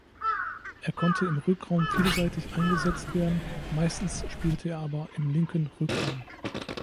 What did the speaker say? Er konnte im Rückraum vielseitig eingesetzt werden; meistens spielte er aber im linken Rückraum.